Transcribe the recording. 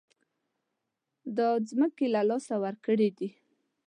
دا ځمکې له لاسه ورکړې دي.